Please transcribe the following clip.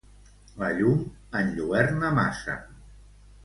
La llum enlluerna massa.